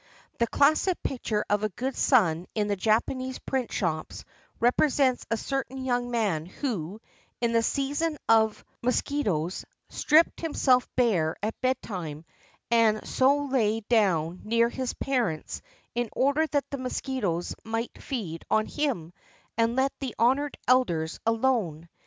The classic picture of a good son in the Japanese print shops represents a certain young man who, in the season of mosquitoes, stripped himself bare at bedtime, and so lay down near his parents in order that the mosquitoes might feed on him, and let the honored elders alone.